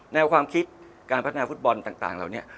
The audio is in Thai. แนวความคิดการพัฒนาฟุตบอลต่างเหล่านี้